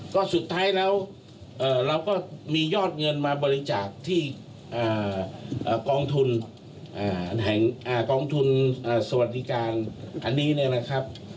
ก็สุดท้ายแล้วเราก็มียอดเงินมาบริจาคที่กองทุนกองทุนสวัสดิการอันนี้เนี่ยนะครับ